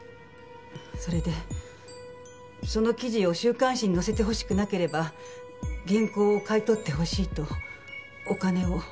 それでその記事を週刊誌に載せてほしくなければ原稿を買い取ってほしいとお金を。